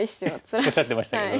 おっしゃってましたけど。